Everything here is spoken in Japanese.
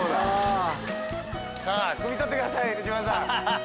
くみ取ってください内村さん。